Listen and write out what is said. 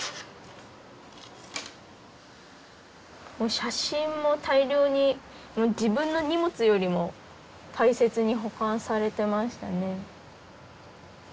写真も大量に自分の荷物よりも大切に保管されてましたね。